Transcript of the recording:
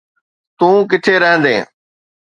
تون ڪٿي رهندين؟